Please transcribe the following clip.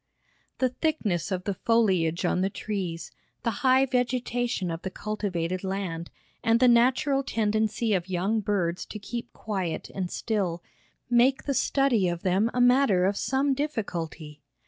The thickness of the foliage on the trees, the high vegetation of the cultivated land, and the natural tendency of young birds to keep quiet and still, make the study of them a matter of some difficulty.